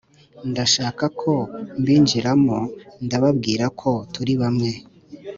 ndashaka kombinjiramo ndababwirako turibamwe